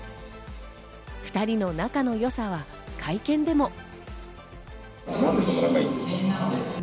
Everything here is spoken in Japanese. ２人の仲のよさは会見でも。